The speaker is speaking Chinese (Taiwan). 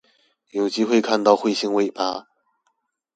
有機會看到慧星尾巴